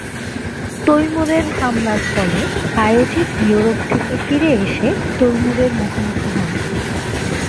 তৈমুরের হামলার ফলে বায়েজিদ ইউরোপ থেকে ফিরে এসে তৈমুরের মুখোমুখি হন।